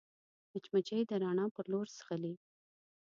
مچمچۍ د رڼا پر لور ځغلي